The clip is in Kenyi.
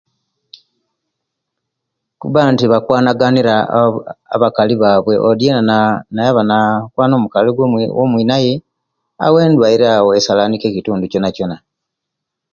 Kuba nti bakwanaginira abakali bawe odi yena naa nayaba nakwaana omukali womwinaye abo endwaile abo esalanika ekitundu kyonakyona